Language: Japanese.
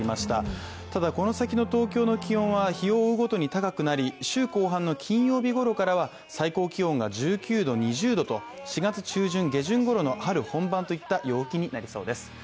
ただ、この先の東京の気温は日を追うごとに高くなり週後半の金曜日ごろからは最高気温が１９度、２０度と４月中旬、下旬ごろの春本番の陽気となりそうです。